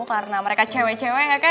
karena mereka cewek cewek enggak kan